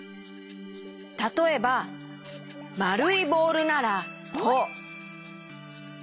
たとえばまるいボールならこう。